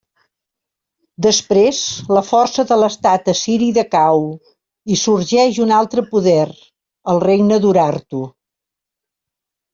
Després la força de l'estat assiri decau i sorgeix un altre poder: el regne d'Urartu.